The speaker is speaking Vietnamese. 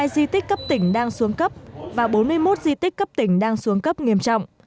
hai mươi di tích cấp tỉnh đang xuống cấp và bốn mươi một di tích cấp tỉnh đang xuống cấp nghiêm trọng